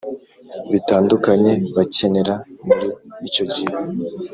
bitandukanye bakenera muri icyo gihe.